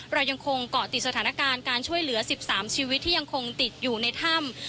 เรายังคงเกาะติดสถานการณ์การช่วยเหลือ๑๓ชีวิตที่ยังคงติดอยู่ในถ้ำ